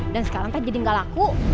dan sekarang te jadi gak laku